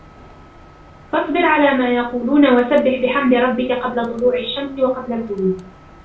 فَاصْبِرْ عَلَى مَا يَقُولُونَ وَسَبِّحْ بِحَمْدِ رَبِّكَ قَبْلَ طُلُوعِ الشَّمْسِ وَقَبْلَ الْغُرُوبِ